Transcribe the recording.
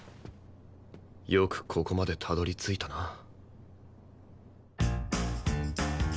よくここまでたどり着いたな。